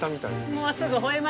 もうすぐ吠えますよ。